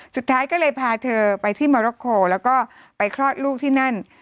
สุดท้ายก็เลยพาเธอไปที่มอร็อกโคแล้วก็ไปคลอดลูกที่นั่น